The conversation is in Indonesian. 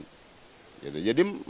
jadi masih serius